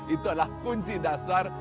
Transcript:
itu adalah kunci dasar